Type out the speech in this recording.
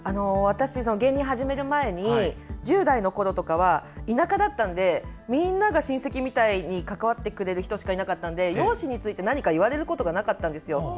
私、芸人始める前に１０代のころとかは田舎だったんでみんなが親戚みたいに関わってくれる人しかいなかったので容姿について何か言われることがなかったんですよ。